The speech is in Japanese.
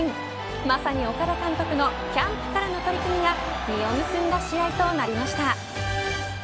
まさに岡田監督のキャンプからの取り組みが実を結んだ試合となりました。